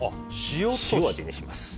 塩味にします。